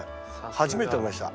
初めて食べました。